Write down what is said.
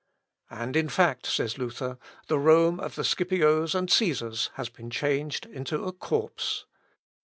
"And in fact," says Luther, "the Rome of the Scipios and Cæsars has been changed into a corpse.